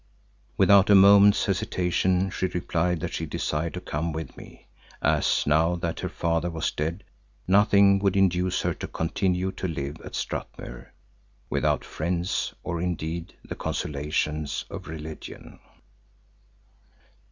Without a moment's hesitation she replied that she desired to come with me, as now that her father was dead nothing would induce her to continue to live at Strathmuir without friends, or indeed the consolations of religion.